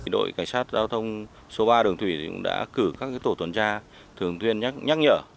đội cảnh sát giao thông số ba đường thủy đã cử các tổ tuần tra thường thuyên nhắc nhở